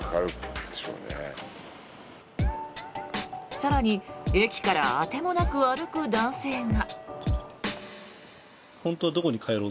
更に駅から当てもなく歩く男性が。